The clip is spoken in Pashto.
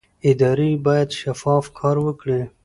ادارې باید شفاف کار وکړي